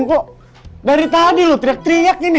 kok dari tadi lo teriak teriak nih nih